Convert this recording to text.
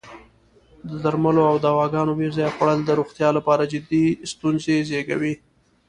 د درملو او دواګانو بې ځایه خوړل د روغتیا لپاره جدی ستونزې زېږوی.